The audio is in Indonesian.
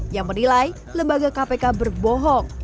yang menilai lembaga kpk berbohong